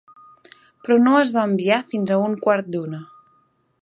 Però no es va enviar fins a un quart d'una.